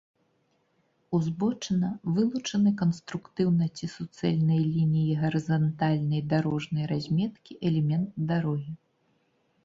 узбочына — вылучаны канструктыўна ці суцэльнай лініяй гарызантальнай дарожнай разметкі элемент дарогі